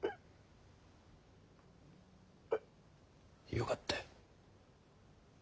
よかった。